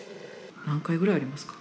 何回ぐらいありますか？